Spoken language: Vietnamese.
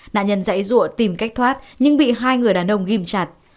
nạn nhân dãy ruộng tìm cách thoát nhưng bị hai người đàn ông ghim chặt